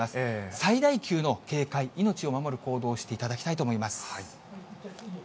最大級の警戒、命を守る行動をしていただきたいと思います。